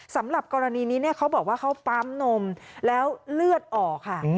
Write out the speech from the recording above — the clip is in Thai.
สำหรับกรณีนี้เนี่ยเขาบอกว่าเขาปั๊มนมแล้วเลือดออกค่ะ